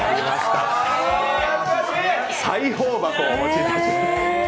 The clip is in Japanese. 裁縫箱をお持ちいたしました。